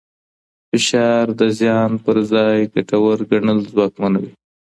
فشار د زیان پر ځای ګټور ګڼل ځواکمنوي.